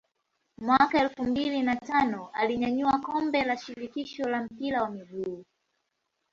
Mwaka elfu mbili na tano alinyanyua kombe la shirikisho la mpira wa miguu